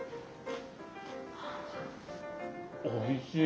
おいしい。